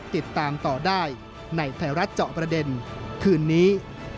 ติดตามต่อได้ในไทยรัฐเจาะประเด็นคืนนี้